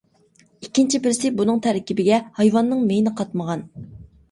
ئىككىنچى بىرسى بۇنىڭ تەركىبىگە ھايۋاننىڭ مېيىنى قاتمىغان.